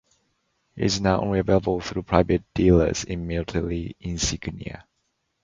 It is now only available through private dealers in military insignia.